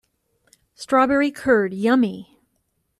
Strawberry curd, yummy!